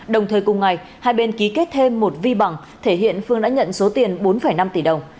đồng thời cùng ngày hai bên ký kết thêm một vi bằng thể hiện phương đã nhận số tiền bốn năm tỷ đồng